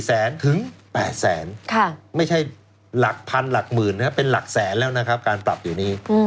๘แสนไม่ใช่หลัก๑๐๐๐๑๐๐๐๐เป็นหลักแสนปรับอยู่นี้